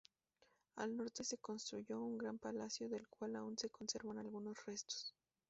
Al norte se construyó un gran palacio del cual aún se conservan algunos restos.